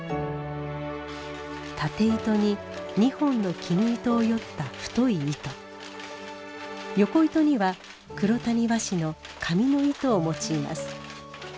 縦糸に２本の絹糸をよった太い糸横糸には黒谷和紙の紙の糸を用います。